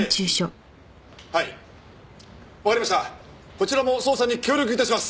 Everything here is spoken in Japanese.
こちらも捜査に協力いたします。